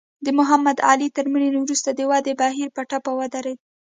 د محمد علي تر مړینې وروسته د ودې بهیر په ټپه ودرېد.